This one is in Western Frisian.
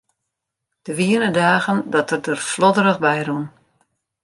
Der wiene dagen dat er der flodderich by rûn.